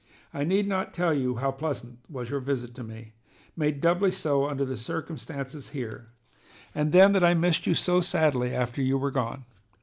I need not tell you how pleasant was your visit to me, made doubly so under the circumstances here, and then that I missed you so sadly after you were gone.